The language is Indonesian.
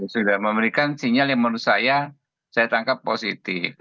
sudah memberikan sinyal yang menurut saya saya tangkap positif